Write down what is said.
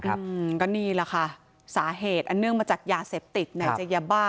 ครับก็นี่แหละค่ะสาเหตุอันเนื่องมาจากยาเซปติกในยาบ้า